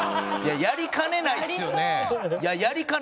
やりかねないですよね。